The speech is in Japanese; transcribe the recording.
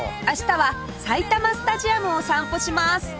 明日は埼玉スタジアムを散歩します